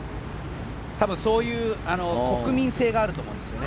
多分、そういう国民性があると思うんですよね。